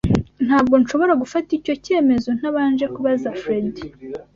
Ntabwo nshobora gufata icyo cyemezo ntabanje kubaza Fredy.